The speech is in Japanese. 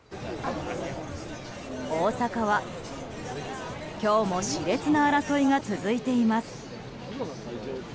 大阪は今日もし烈な争いが続いています。